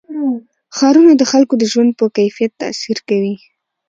ښارونه د خلکو د ژوند په کیفیت تاثیر کوي.